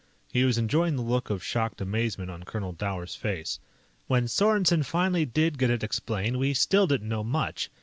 He was enjoying the look of shocked amazement on Colonel Dower's face. "When Sorensen finally did get it explained, we still didn't know much.